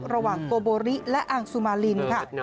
ระหว่างโกโบริและอังซูมาลินค่ะ